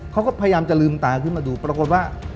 เขาก็พยายามจะลืมตาขึ้นมาดูปรากฏว่า